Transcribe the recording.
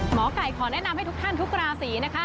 หมอไก่ขอแนะนำให้ทุกท่านทุกราศีนะคะ